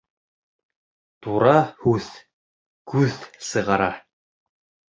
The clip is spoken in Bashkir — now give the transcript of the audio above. Тура һүҙ күҙ сығара.